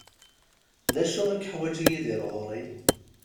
D acu i yeḥwaǧ Yidir ɣur-i?